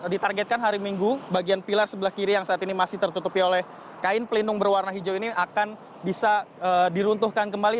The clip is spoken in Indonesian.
ditargetkan hari minggu bagian pilar sebelah kiri yang saat ini masih tertutupi oleh kain pelindung berwarna hijau ini akan bisa diruntuhkan kembali